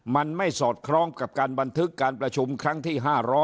มันไม่สอดคล้องกับการบันทึกการประชุมครั้งที่๕๐๐